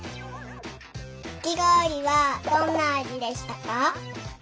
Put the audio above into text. かきごおりはどんなあじでしたか？